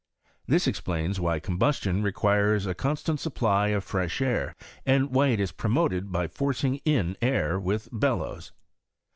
This explains why combustion requires a constant supply of fresh air, and why "it is promoted by forcing in air with bellows.